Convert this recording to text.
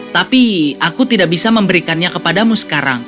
tapi aku tidak bisa memberikannya kepadamu sekarang